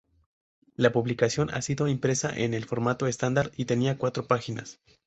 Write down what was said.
La publicación ha sido impresa en el formato estándar y tenía cuatro páginas.